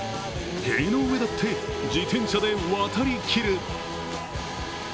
塀の上だって自転車で渡りきる。